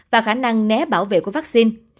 và khả năng né bảo vệ của vaccine